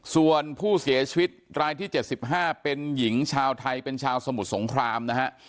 ส่วนผู้เสียชีวิตรายที่๗๕เป็นหญิงชาวไทยเป็นชาวสมุทรสงครามนะฮะ